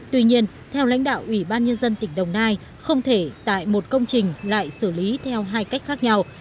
tuy nhiên theo lãnh đạo ubnd tp biên hòa không thể tại một công trình lại xử lý theo hai cách khác nhau